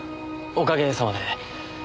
おかげさまで。